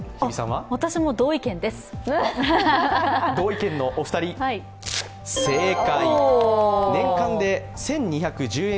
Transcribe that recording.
同意見のお二人、正解。